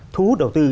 thú hút đầu tư